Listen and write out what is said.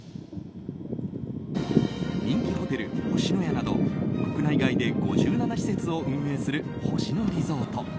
人気ホテル、星のやなど国内外で５７施設を運営する星野リゾート。